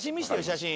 写真。